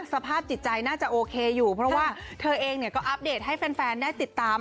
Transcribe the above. สภาพจิตใจน่าจะโอเคอยู่เพราะว่าเธอเองก็อัปเดตให้แฟนได้ติดตาม